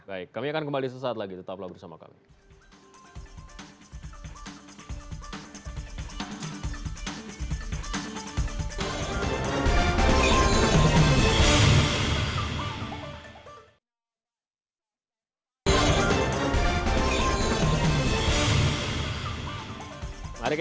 baik kami akan kembali sesaat lagi tetap lagi bersama kami